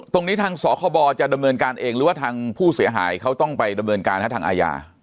ตรงนี้ทางสคบจะดำเนินการเองหรือว่าทางผู้เสียหายเขาต้องไปดำเนินการทางอาญา